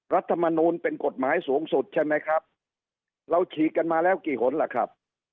รัฐมนูลเป็นกฎหมายสูงสุดใช่ไหมครับเราฉีกกันมาแล้วกี่หนล่ะครับ